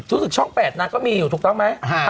รู้สึกช่อง๘น่าก็มีอยู่ถูกต้องไหม